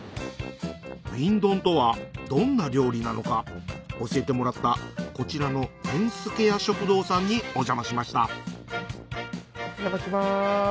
瓶ドンとはどんな料理なのか教えてもらったこちらのにお邪魔しましたお邪魔します。